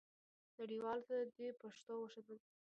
نړیوالو ته دې پښتو وښودل سي.